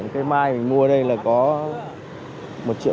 cây mai mình mua đây là có một triệu tám